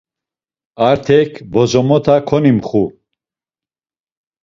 Artek bozomota konimxu.